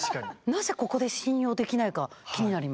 なぜここで「信用できない」か気になります。